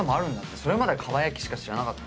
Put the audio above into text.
それまでは蒲焼しか知らなかった。